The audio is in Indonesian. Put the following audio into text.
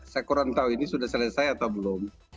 saya kurang tahu ini sudah selesai atau belum